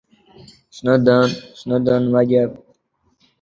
O‘zini ulug‘ shoirga do‘st qilib ko‘rsatdi.